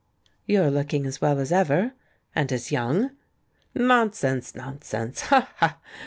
"You're looking as well as ever — and as young." "Nonsense, nonsense! Ha! ha!